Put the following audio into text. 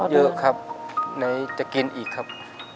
เยอะครับไหนจะกินอีกครับ